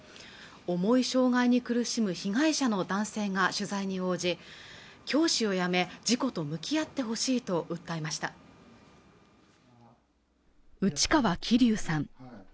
重い障害に苦しむ被害者の男性が取材に応じ教師を辞め事故と向き合ってほしいと訴えました内川起龍さん